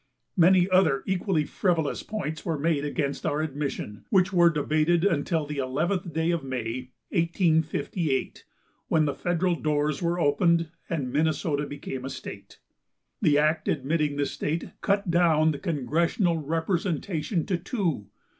Many other equally frivolous points were made against our admission, which were debated until the eleventh day of May, 1858, when the federal doors were opened and Minnesota became a state. The act admitting the state cut down the congressional representation to two.